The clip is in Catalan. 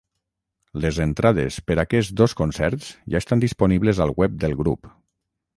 Les entrades per aquests dos concerts ja estan disponibles al web del grup.